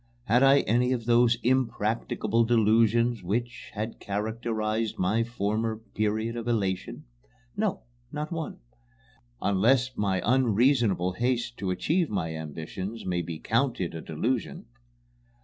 Had I any of those impracticable delusions which had characterized my former period of elation? No, not one unless an unreasonable haste to achieve my ambitions may be counted a delusion.